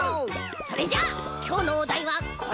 それじゃあきょうのおだいはこれ！